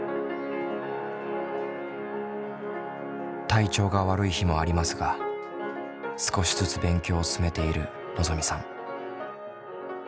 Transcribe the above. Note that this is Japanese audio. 体調が悪い日もありますが少しずつ勉強を進めているのぞみさん。